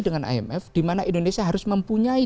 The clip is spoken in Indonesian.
dengan imf di mana indonesia harus mempunyai